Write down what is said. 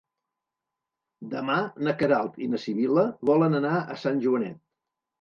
Demà na Queralt i na Sibil·la volen anar a Sant Joanet.